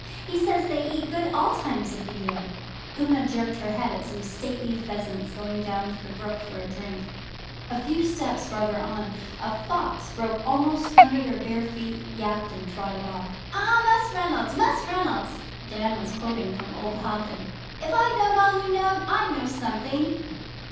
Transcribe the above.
He says they eat good all times of the year,' Una jerked her head at some stately pheasants going down to the brook for a drink. A few steps farther on a fox broke almost under their bare feet, yapped, and trotted off. 'Ah, Mus' Reynolds Mus' Reynolds' Dan was quoting from old Hobden, 'if I knowed all you knowed, I'd know something.